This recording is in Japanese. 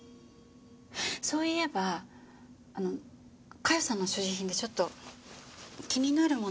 そういえば加代さんの所持品でちょっと気になるものがあって。